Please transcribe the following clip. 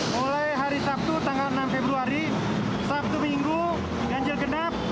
mulai hari sabtu tanggal enam februari sabtu minggu ganjil genap